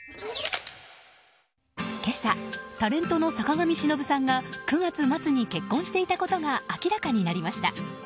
今朝、タレントの坂上忍さんが９月末に結婚していたことが明らかになりました。